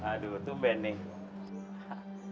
kaji aduh tuh ben nih